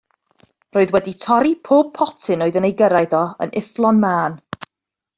Roedd wedi torri pob potyn oedd yn ei gyrraedd o yn yfflon mân.